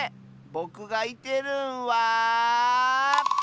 ぼくがいてるんは。